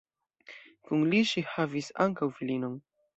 Kun li ŝi havis ankaŭ filinon.